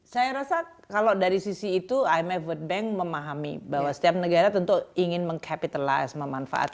saya rasa kalau dari sisi itu imf world bank memahami bahwa setiap negara tentu ingin mengkapitalize memanfaatkan